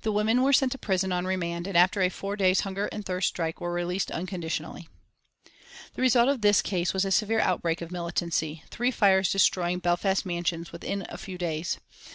The women were sent to prison on remand, and after a four days' hunger and thirst strike were released unconditionally. The result of this case was a severe outbreak of militancy, three fires destroying Belfast mansions within a few days.